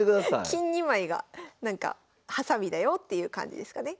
金２枚がハサミだよっていう感じですかね。